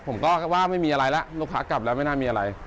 ผมก็ว่าไม่มีอะไรแล้วลูกค้ากลับแล้วไม่น่ามีอะไร